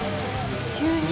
急に。